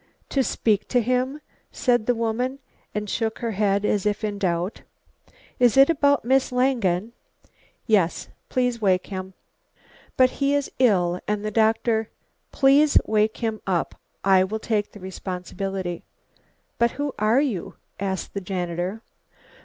"To speak to him?" said the woman, and shook her head as if in doubt. "Is it about Miss Langen?" "Yes, please wake him." "But he is ill, and the doctor " "Please wake him up. I will take the responsibility." "But who are you?" asked the janitor.